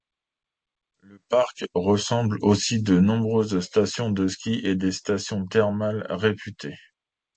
Le parc rassemble aussi de nombreuses stations de ski et des stations thermales réputées.